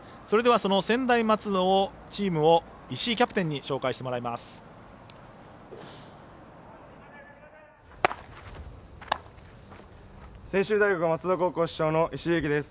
その専大松戸のチームを石井キャプテンに紹介してもらいます。